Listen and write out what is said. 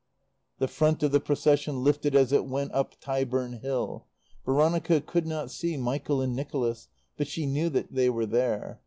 '" The front of the Procession lifted as it went up Tyburn Hill. Veronica could not see Michael and Nicholas, but she knew that they were there.